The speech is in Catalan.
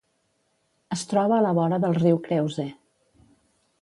Es troba a la vora del riu Creuse.